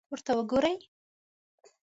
ورته وګورئ!